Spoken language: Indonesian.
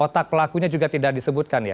otak pelakunya juga tidak disebutkan ya